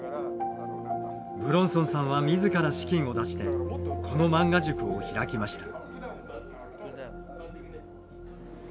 武論尊さんは自ら資金を出してこの漫画塾を開きました。